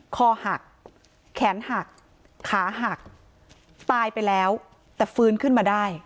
คอหักแขนหักขาหักตายไปแล้วแต่ฟื้นขึ้นมาได้